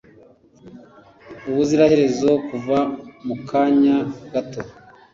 ubuziraherezo kuva mu kanya gato